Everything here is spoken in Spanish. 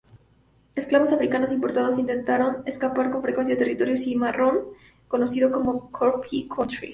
Esclavos africanos importados intentaron escapar con frecuencia a territorio cimarrón, conocido como Cockpit Country.